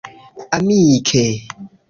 amike